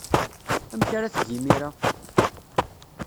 Amek ara teg imir-a?